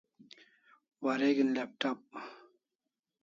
Wareg'in laptop